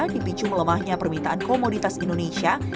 dipicu melemahnya permintaan komoditas indonesia